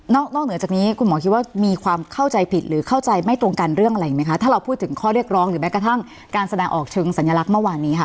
นอกเหนือจากนี้คุณหมอคิดว่ามีความเข้าใจผิดหรือเข้าใจไม่ตรงกันเรื่องอะไรอีกไหมคะถ้าเราพูดถึงข้อเรียกร้องหรือแม้กระทั่งการแสดงออกเชิงสัญลักษณ์เมื่อวานนี้ค่ะ